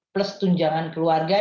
plus tunjangan keluarga